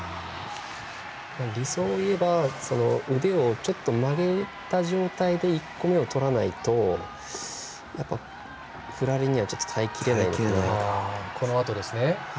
理想を言えば腕をちょっと曲げた状態で１個目をとらないと、やっぱ耐え切れないですね。